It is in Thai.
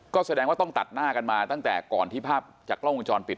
ก็แสดงว่าต้องตัดหน้ากันมาตั้งแต่ก่อนที่ภาพจากกล้องวงจรปิด